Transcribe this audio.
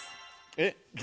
・えっ・